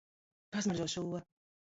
Pasmaržo šo.